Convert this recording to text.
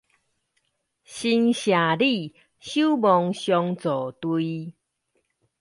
新社里守望相助隊